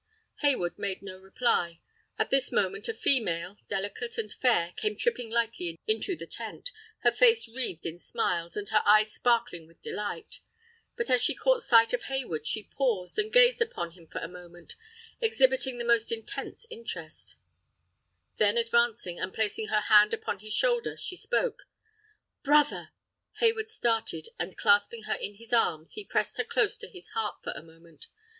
Hayward made no reply. At this moment, a female, delicate and fair, came tripping lightly into the tent, her face wreathed in smiles, and her eyes sparkling with delight; but, as she caught sight of Hayward, she paused, and gazed upon him for a moment, exhibiting the most intense interest; then advancing, and placing her hand upon his shoulder, she spoke: "Brother!" Hayward started, and clasping her in his arms, he pressed her close to his heart for a moment.